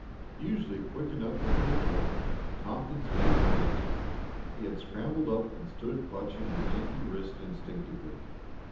Usually quick enough with a retort, Tompkins made no answer. He had scrambled up and stood clutching his aching wrist instinctively.